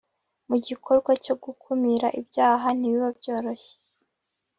mu gikorwa cyo gukumira ibyaha ntibiba byoroshye